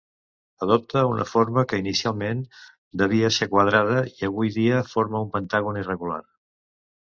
Adopta una forma que inicialment devia ser quadrada, i avui dia forma un pentàgon irregular.